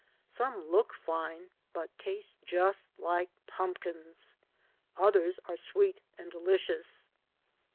Some look fine but taste just like pumpkins. Others are sweet and delicious.